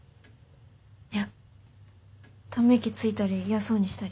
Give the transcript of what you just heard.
いやため息ついたり嫌そうにしたり。